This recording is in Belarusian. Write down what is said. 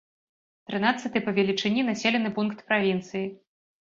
Трынаццаты па велічыні населены пункт правінцыі.